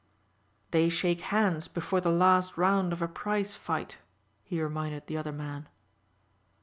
"They shake hands before the last round of a prize fight," he reminded the other man.